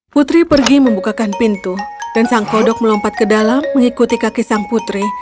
putri pergi membukakan pintu dan sang kodok melompat ke dalam mengikuti kaki sang putri